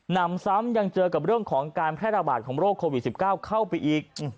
นำซ้ำยังเจอกับเรื่องของการแพร่ระบาดของโรคโควิด๑๙เข้าไปอีก